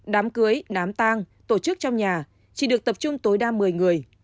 đám cưới đám tang tổ chức trong nhà chỉ được tập trung tối đa một mươi người